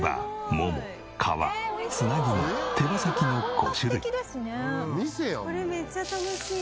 これめっちゃ楽しい。